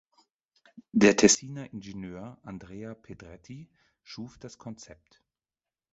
Der Tessiner Ingenieur Andrea Pedretti schuf das Konzept.